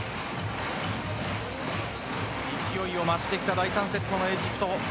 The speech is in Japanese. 勢いをましてきた第３セットのエジプト。